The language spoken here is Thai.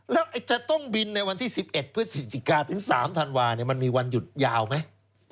แล้วจะต้องบินในวันที่๑๑พฤศจิกาถึง๓ธันวามันมีวันหยุดยาวไหม